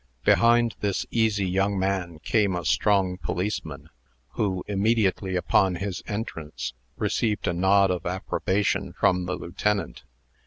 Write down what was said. Behind this easy young man came a strong policeman, who, immediately upon his entrance, received a nod of approbation from the lieutenant.